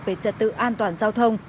về trật tự an toàn giao thông